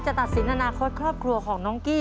ตัดสินอนาคตครอบครัวของน้องกี้